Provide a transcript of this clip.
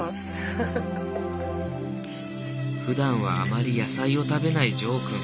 ふだんはあまり野菜を食べないジョーくん。